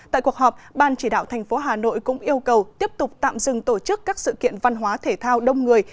tại cuộc họp ban chỉ đạo thành phố hà nội cũng yêu cầu tiếp tục tạm dừng tổ chức các sự kiện văn hóa thể thao đông người